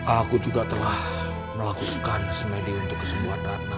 aku juga telah melakukan smedy untuk kesembuhan ratna